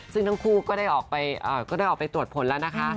ซึ่งทั้งคู่ก็ได้ออกไปเราก็ได้ออกไปตรวจผลแล้วนะคะ